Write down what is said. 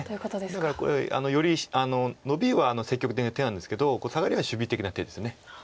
だからこれよりノビは積極的な手なんですけどサガリは守備的な手です。